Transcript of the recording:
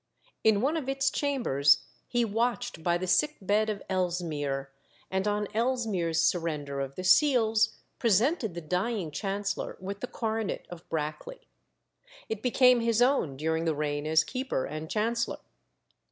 In one of its chambers he watched by the sick bed of Ellesmere, and on Ellesmere's surrender of the Seals, presented the dying Chancellor with the coronet of Brackley. It became his own during his reign as Keeper and Chancellor.